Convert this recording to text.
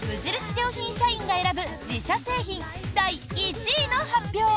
良品社員が選ぶ自社製品第１位の発表。